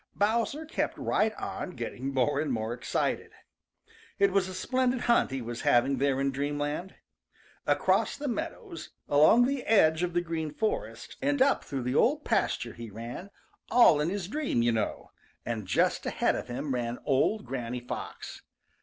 Bowser kept right on getting more and more excited. It was a splendid hunt he was having there in dreamland. Across the Green Meadows, along the edge of the Green Forest, and up through the Old Pasture he ran, all in his dream, you know, and just ahead of him ran old Granny Fox.